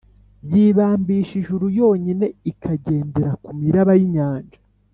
yibambisha ijuru yonyine, ikagendera ku miraba y’inyanja